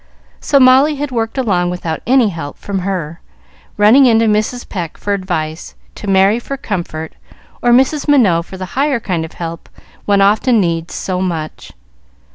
So Molly had worked along without any help from her, running in to Mrs. Pecq for advice, to Merry for comfort, or Mrs. Minot for the higher kind of help one often needs so much.